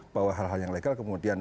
bahwa hal hal yang legal kemudian